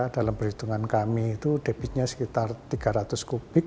dalam perhitungan kami itu debitnya sekitar tiga ratus kubik